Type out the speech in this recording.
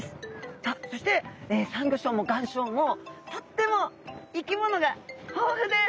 さあそしてサンギョ礁も岩礁もとっても生き物が豊富です。